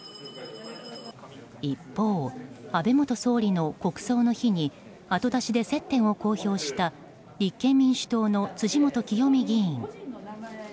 一方、安倍元総理の国葬の日に後出しで接点を公表した立憲民主党の辻元清美議員。